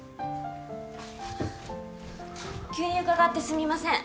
急に伺ってすみません